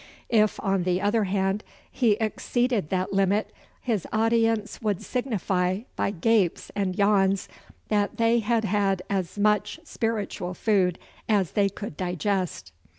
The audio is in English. If, on the other hand, he exceeded that limit, his audience would signify by gapes and yawns that they had had as much spiritual food as they could digest.